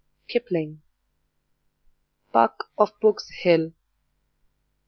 KIPLING: "Puck of Pook's Hill."